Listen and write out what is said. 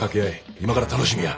今から楽しみや。